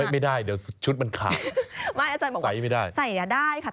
ไม่ได้จะเต่ามันขาด